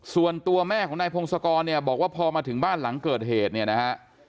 ส่วนตัวแม่ของนายพงศกรเนี่ยบอกว่าพอมาถึงบ้านหลังเกิดเหตุเนี่ยนะฮะ